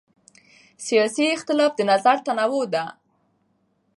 سیاسي اختلاف د نظر تنوع ده